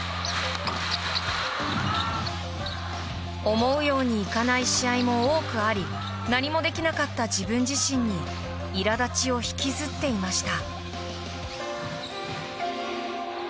思うようにいかない試合も多くあり何もできなかった自分自身にいら立ちを引きずっていました。